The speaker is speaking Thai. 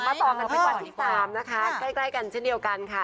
ต่อกันไปกว่าที่๓นะคะใกล้กันเช่นเดียวกันค่ะ